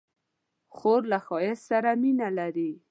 خور له ښایست سره مینه لري.